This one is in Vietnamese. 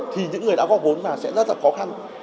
thì những người đã có vốn vào sẽ rất là khó khăn